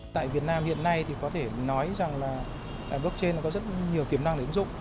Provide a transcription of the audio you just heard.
tại việt nam hiện nay thì có thể nói rằng là blockchain có rất nhiều tiềm năng để ứng dụng